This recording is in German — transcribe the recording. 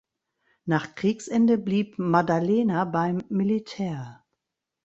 Nach Kriegsende blieb Maddalena beim Militär.